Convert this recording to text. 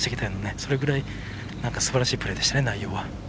それぐらいすばらしいプレーでした、内容は。